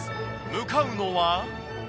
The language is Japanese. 向かうのは。